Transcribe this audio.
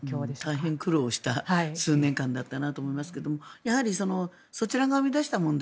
大変苦労した数年間だったなと思いますけどやはり、そちらが生み出した問題